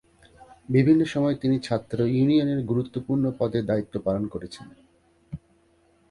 বিভিন্ন সময়ে তিনি ছাত্র ইউনিয়নের গুরুত্বপূর্ণ পদে দায়িত্ব পালন করেছেন।